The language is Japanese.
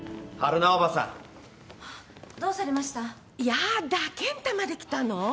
やだ健太まで来たの？